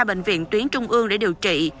bệnh viện tuyến trung ương để điều trị